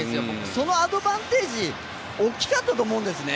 そのアドバンテージ、大きかったと思うんですね。